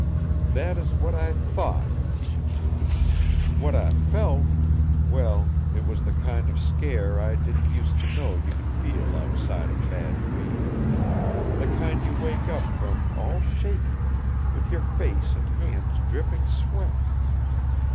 "That is what I thought," he concluded. "What I felt well, it was the kind of scare I didn't use to know you could feel outside of bad dreams; the kind you wake up from all shaking, with your face and hands dripping sweat.